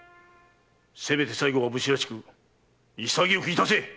せめて最後は武士らしく潔くいたせ！